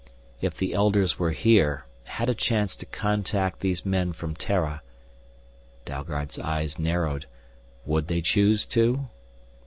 If the Elders were here, had a chance to contact these men from Terra Dalgard's eyes narrowed, would they choose to?